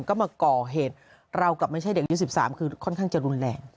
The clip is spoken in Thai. ก็มาก่อเหตุเรากับไม่ใช่เด็กอายุ๑๓คือค่อนข้างจะรุนแรง